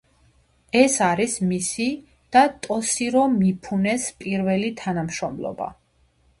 ეს არის მისი და ტოსირო მიფუნეს პირველი თანამშრომლობა.